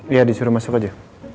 iya disuruh masuk aja